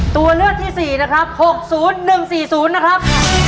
ตัวเลือกที่๔นะครับ๖๐๑๔๐นะครับ